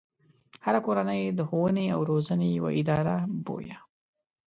هره کورنۍ د ښوونې او روزنې يوه اداره بويه.